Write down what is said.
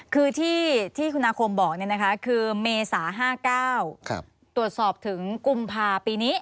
คือที่คุณอาคมบอกคือเมษา๕๙ตรวจสอบถึงกุมภาปีนี้